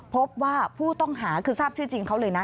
พบว่าผู้ต้องหาคือทราบชื่อจริงเขาเลยนะ